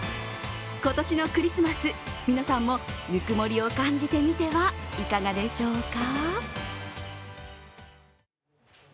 今年のクリスマス、皆さんもぬくもりを感じてみてはいかがでしょうか？